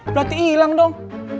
berarti ilang dong